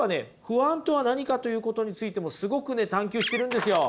不安とは何かということについてもすごくね探求してるんですよ。